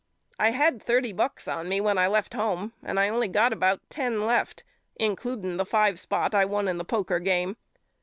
I had thirty bucks on me when I left home and I only got about ten left including the five spot I won in the poker game.